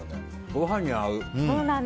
ご飯に合う。